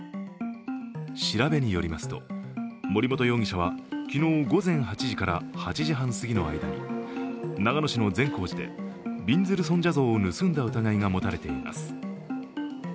調べによりますと、森本容疑者は昨日午前８時から８時半すぎの間に長野市の善光寺でびんずる尊者像を盗んだ疑いが持たれています。